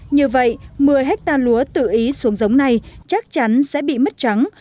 như vậy một mươi hectare lúa tự ý xuống giống này chắc chắn sẽ bị mất trắng